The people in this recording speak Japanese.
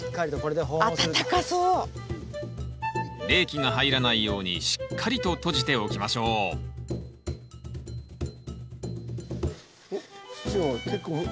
冷気が入らないようにしっかりと閉じておきましょうおっ土が結構。